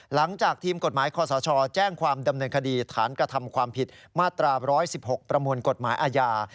หลังจากทีมกฎหมายคอสชแจ้งความดำเนินคดีฐานกระทำความผิดมาตรา๑๑๖ประมวลกฎหมายอาญา